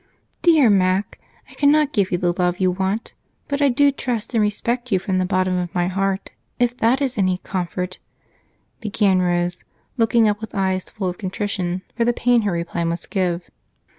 "Dear Mac, I cannot give you the love you want, but I do trust and respect you from the bottom of my heart, if that is any comfort," began Rose, looking up with eyes full of contrition for the pain her reply must give.